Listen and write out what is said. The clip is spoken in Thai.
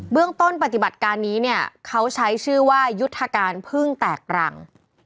เรื่องต้นปฏิบัติการนี้เนี่ยเขาใช้ชื่อว่ายุทธการพึ่งแตกรัง